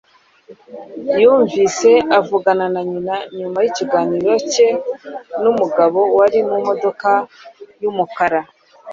Yumvise avugana na nyina yumva ikiganiro cye numugabo wari mumodoka yumukara.